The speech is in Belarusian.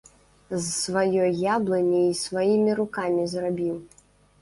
З сваёй яблыні й сваімі рукамі зрабіў.